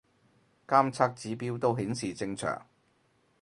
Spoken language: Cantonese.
監測指標都顯示正常